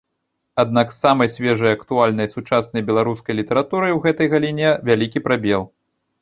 Аднак з самай свежай актуальнай сучаснай беларускай літаратурай у гэтай галіне вялікі прабел.